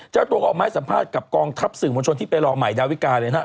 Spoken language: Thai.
เจ้าตัวก็ออกมาให้สัมภาษณ์กับกองทัพสื่อมวลชนที่ไปรอใหม่ดาวิกาเลยนะครับ